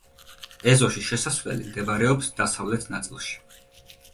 ეზოში შესასვლელი მდებარეობს დასავლეთ ნაწილში.